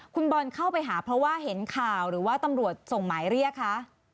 คุณบอลเข้าไปหาเพราะว่าเห็นข่าวหรือว่าตำรวจส่งหมายเรียกคะ